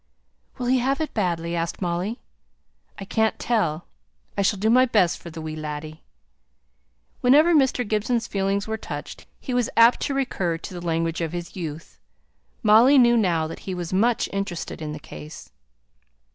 "Will he have it badly?" asked Molly. "I can't tell. I shall do my best for the wee laddie." Whenever Mr. Gibson's feelings were touched, he was apt to recur to the language of his youth. Molly knew now that he was much interested in the case.